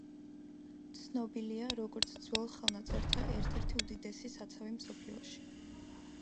ცნობილია როგორც ძველ ხელნაწერთა ერთ-ერთი უდიდესი საცავი მსოფლიოში.